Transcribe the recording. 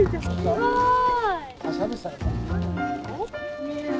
すごい！